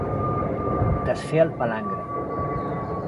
Desfer el palangre.